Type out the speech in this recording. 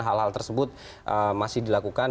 hal hal tersebut masih dilakukan